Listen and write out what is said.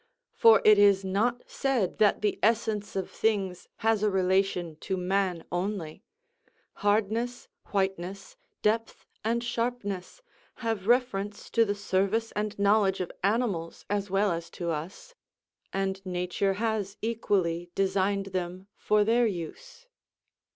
for it is not said that the essence of things has a relation to man only; hardness, whiteness, depth, and sharpness, have reference to the service and knowledge of animals as well as to us, and nature has equally designed them for their use.